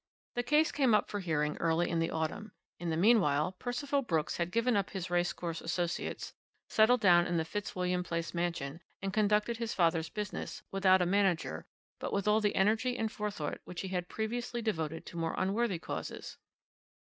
"The case came up for hearing early in the autumn. In the meanwhile Percival Brooks had given up his racecourse associates, settled down in the Fitzwilliam Place mansion, and conducted his father's business, without a manager, but with all the energy and forethought which he had previously devoted to more unworthy causes.